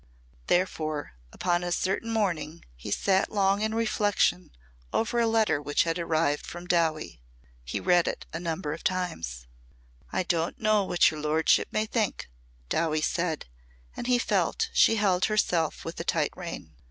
Therefore upon a certain morning he sat long in reflection over a letter which had arrived from Dowie. He read it a number of times. "I don't know what your lordship may think," Dowie said and he felt she held herself with a tight rein.